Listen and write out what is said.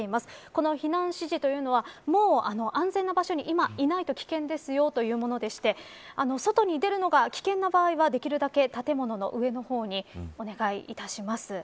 この避難指示というのはもう安全な場所に今いないと危険ですよというものでして外に出るのが危険な場合はできるだけ建物の上の方にお願いいたします。